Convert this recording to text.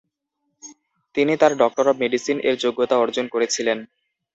তিনি তার doctor of মেডিসিন-এর জন্য যোগ্যতা অর্জন করেছিলেন ।